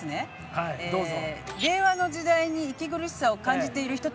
はいどうぞ。